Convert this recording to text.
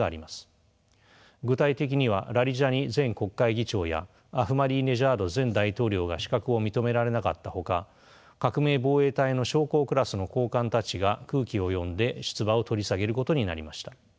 具体的にはラリジャニ前国会議長やアフマディネジャード前大統領が資格を認められなかったほか革命防衛隊の将校クラスの高官たちが空気を読んで出馬を取り下げることになりました。